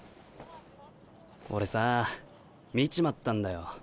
俺さあ見ちまったんだよ。